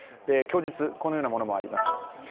供述、このようなものもあります。